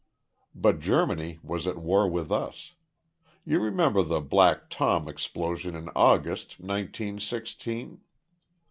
But Germany was at war with us. You remember the Black Tom explosion in August, nineteen sixteen?